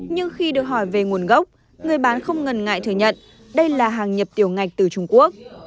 nhưng khi được hỏi về nguồn gốc người bán không ngần ngại thừa nhận đây là hàng nhập tiểu ngạch từ trung quốc